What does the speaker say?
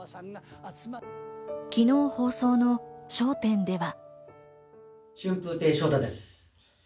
昨日放送の『笑点』では。